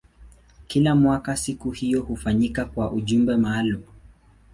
Kila mwaka siku hiyo hufanyika kwa ujumbe maalumu.